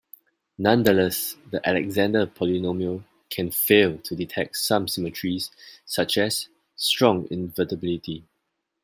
Nonetheless, the Alexander polynomial can fail to detect some symmetries, such as strong invertibility.